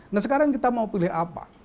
nah sekarang kita mau pilih apa